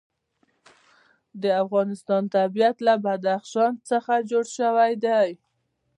د افغانستان طبیعت له بدخشان څخه جوړ شوی دی.